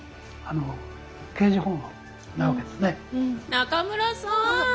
中村さん！